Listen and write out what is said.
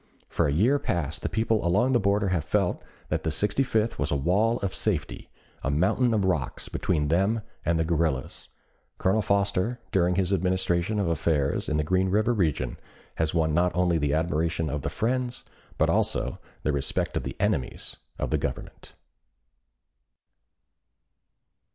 For a year past the people along the border have felt that the Sixty fifth was a wall of safety, a mountain of rocks between them and the guerrillas. Colonel Foster during his administration of affairs in the Green River region, has won not only the admiration of the friends, but also the respect of the enemies, of the Government.